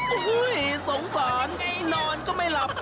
โอ้โหสงสารนอนก็ไม่หลับ